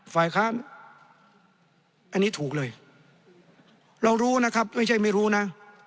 ฝ่ายค้านอันนี้ถูกเลยเรารู้นะครับไม่ใช่ไม่รู้นะ